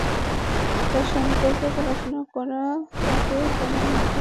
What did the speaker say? তাঁর সম্পর্কে পড়াশোনা করা, তাঁকে জানার মাধ্যমে নতুন প্রজন্ম শিক্ষা নিতে পারে।